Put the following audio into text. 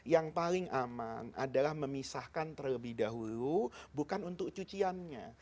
yang paling aman adalah memisahkan terlebih dahulu bukan untuk cuciannya